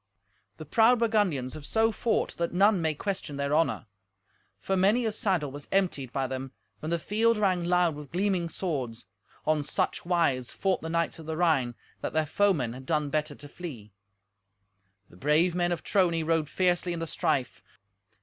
The proud Burgundians have so fought that none my question their honour. For many a saddle was emptied by them when the field rang loud with gleaming swords. On such wise fought the knights of the Rhine that their foemen had done better to flee. The brave men of Trony rode fiercely in the strife.